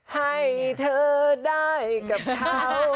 ให้เธอได้กับเขา